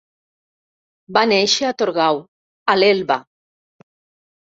Va néixer a Torgau, a l'Elba.